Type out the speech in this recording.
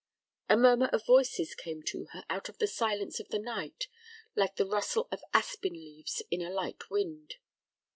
A murmur of voices came to her out of the silence of the night, like the rustle of aspen leaves in a light wind.